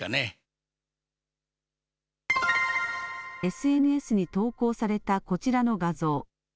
ＳＮＳに投稿されたこちらの画像。